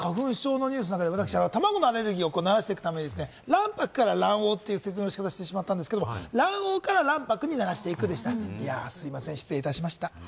先ほどですね、秋の花粉症のニュースの中で私、卵のアレルギーを慣らしていくために卵白から卵黄という説明をしたんですけれども、卵黄から卵白に慣らしていくでした。